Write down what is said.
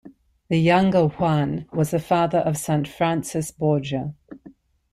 The younger Juan was the father of Saint Francis Borgia.